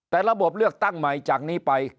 แต่ระบบเลือกตั้งใหม่จากนี้ไป